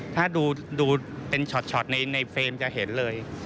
ถ้าดูเป็นช็อตในเฟรมจะเห็นเลย